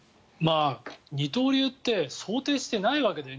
二刀流って想定していないわけだよね